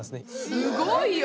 すごいよ！